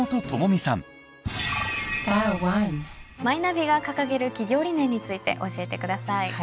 マイナビが掲げる企業理念について教えてください。